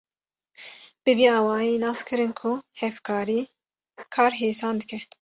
Bi vî awayî nas kirin ku hevkarî, kar hêsan dike.